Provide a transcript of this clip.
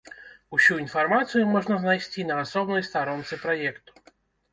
Усю інфармацыю можна знайсці на асобнай старонцы праекту.